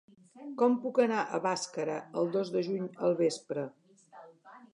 Com puc anar a Bàscara el dos de juny al vespre?